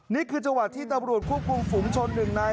นี่คือจังหวะที่ตำรวจควบคุมฝุงชนหนึ่งนาย